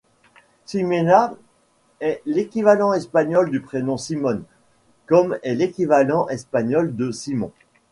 Jimena est l'équivalent espagnol du prénom Simone, comme est l'équivalent espagnol de Simon.